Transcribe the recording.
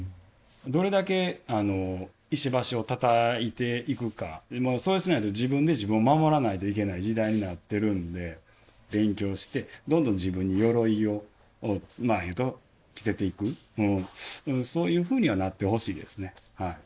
どれだけ石橋をたたいていくか、それをしないと自分で自分を守らないといけない時代になっているので、勉強して、どんどん自分によろいを着せていく、そういうふうにはなってほしいですね。